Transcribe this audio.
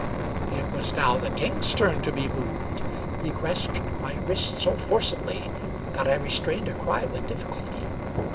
It was now the king's turn to be moved. He grasped my wrist so forcibly that I restrained a cry with difficulty.